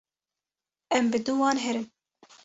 em bi dû wan herin